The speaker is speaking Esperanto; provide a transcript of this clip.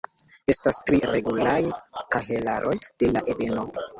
Estas tri regulaj kahelaroj de la ebeno.